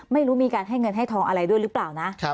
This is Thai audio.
ไม่รู้มีการให้เงินให้ทองอะไรด้วยหรือเปล่านะ